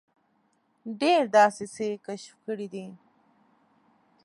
ډېر داسې څه یې کشف کړي دي.